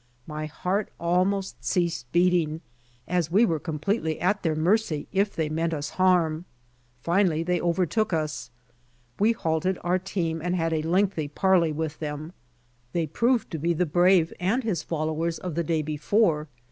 My heart almost ceased beating, as we were completely at their mercy if they meant us harm. Finally they overtook us. We halted our team and had a lengtliy parley with them. They proved to be the brave and his followers of the day before.